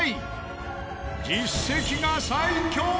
実績が最強！